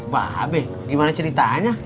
babe gimana ceritanya